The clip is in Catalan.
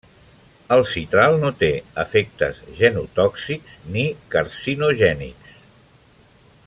El citral no té efectes genotòxics ni carcinogènics.